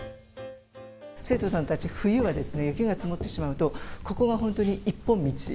生徒さんたち、冬は雪が積もってしまうと、ここが本当に一本道。